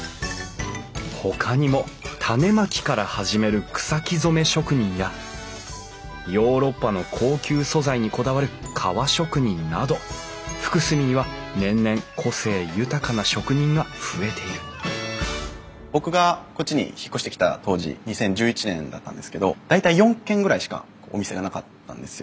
ほかにも種まきから始める草木染め職人やヨーロッパの高級素材にこだわる革職人など福住には年々個性豊かな職人が増えている僕がこっちに引っ越してきた当時２０１１年だったんですけど大体４軒ぐらいしかお店がなかったんですよ。